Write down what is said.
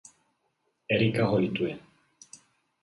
Erica ho lituje.